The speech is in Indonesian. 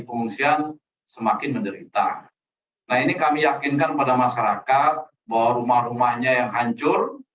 pengungsian semakin menderita nah ini kami yakinkan kepada masyarakat bahwa rumah rumahnya yang hancur